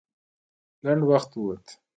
لنډ وخت ووت.